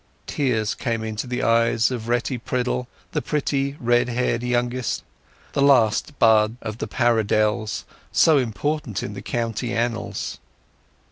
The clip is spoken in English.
Tears came into the eyes of Retty Priddle, the pretty red haired youngest—the last bud of the Paridelles, so important in the county annals.